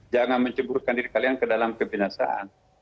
jangan menceburkan diri kalian ke dalam kebinasaan